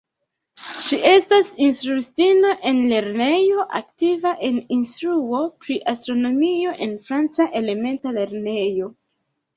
Ŝi estas instruistino en lernejo, aktiva en instruo pri astronomio en franca elementa lernejo.